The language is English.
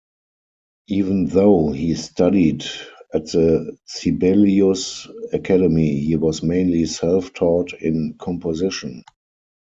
Even though he studied at the Sibelius Academy, he was mainly self-taught in composition.